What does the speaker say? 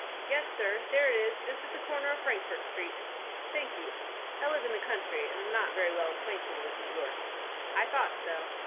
"Yes, sir; there it is, just at the corner of Frankfort Street." "Thank you. I live in the country, and am not very well acquainted with New York." "I thought so."